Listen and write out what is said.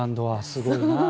すごいな。